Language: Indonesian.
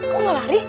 kok gak lari